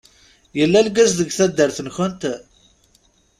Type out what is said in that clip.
Yella lgaz deg taddart-nkent?